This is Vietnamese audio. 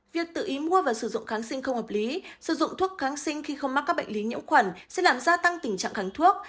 việc tự ý mua và sử dụng kháng sinh không hợp lý sử dụng thuốc kháng sinh khi không mắc các bệnh lý nhiễm khuẩn sẽ làm gia tăng tình trạng kháng thuốc